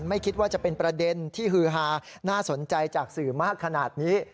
ไม่คิดว่าจะเป็นประเด็นที่ฮือฮาน่าสนใจจากสื่อมากขนาดนี้